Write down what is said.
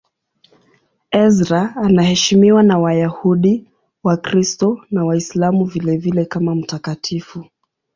Ezra anaheshimiwa na Wayahudi, Wakristo na Waislamu vilevile kama mtakatifu.